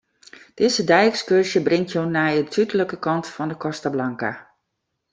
Dizze dei-ekskurzje bringt jo nei de súdlike kant fan 'e Costa Blanca.